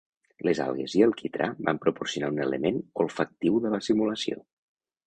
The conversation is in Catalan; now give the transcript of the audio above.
Les algues i el quitrà van proporcionar un element olfactiu de la simulació.